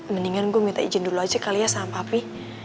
mendingan gue minta izin dulu aja kali ya sama papi